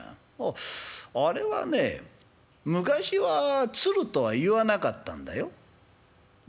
あっあれはね昔はつるとはいわなかったんだよ」。